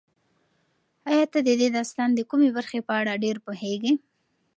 ایا ته د دې داستان د کومې برخې په اړه ډېر پوهېږې؟